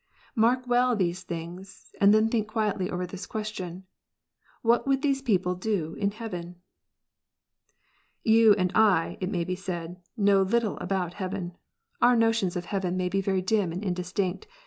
Mark well these things, and then think quietly over this question :" What would these people do in heaven ?" You and I, it may be said, know little about heaven. Our notions of heaven may be very dim and indistinct.